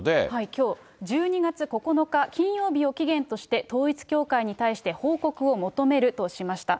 きょう、１２月９日金曜日を期限として、統一教会に対して報告を求めるとしました。